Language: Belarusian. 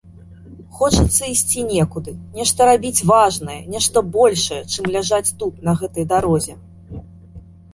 Хочацца ісці некуды, нешта рабіць важнае, нешта большае, чым ляжаць тут, на гэтай дарозе.